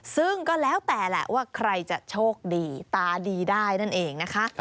ซึ่งก็แล้วแต่แหละว่าใครจะโชคดีตาดีได้นั่นเองนะคะ